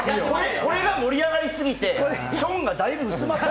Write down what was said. これが盛り上がりすぎてチョンがだいぶ薄まった。